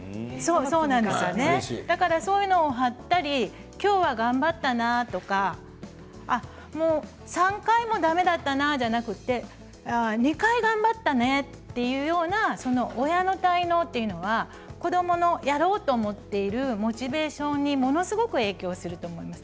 だからそういうのを貼ったり今日は頑張ったなとか３回もだめだったなではなくて２回頑張ったね、というような親の態度というのは子どもがやろうと思ってるモチベーションにものすごく影響すると思います。